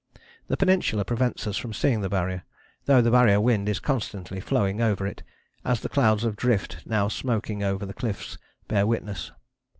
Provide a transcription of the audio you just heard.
The Peninsula prevents us from seeing the Barrier, though the Barrier wind is constantly flowing over it, as the clouds of drift now smoking over the Cliffs bear witness.